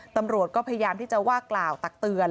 ตำรวจก็พยายามที่จะว่ากล่าวตักเตือน